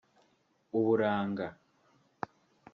uburanga